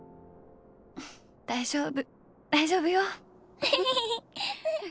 大丈夫大丈夫よフフフ。